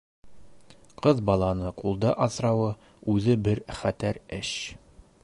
Ҡыҙ баланы ҡулда аҫрауы үҙе бер хәтәр эш.